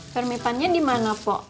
permipannya dimana pok